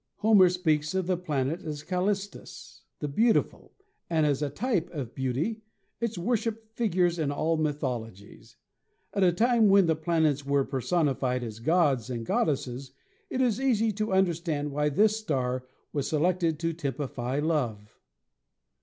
Homer speaks of the planet as Kailistos — the "Beautiful," and as a type of beauty its worship figures in all mythologies. At a time when the planets were personified as gods and goddesses it is easy to understand why this star was selected to typ ify Love.